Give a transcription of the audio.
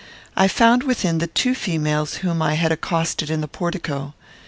I found within the two females whom I had accosted in the portico.